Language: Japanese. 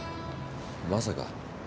まさか。